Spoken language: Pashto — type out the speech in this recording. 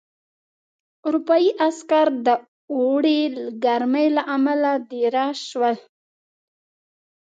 اروپايي عسکر د اوړي ګرمۍ له امله دېره شول.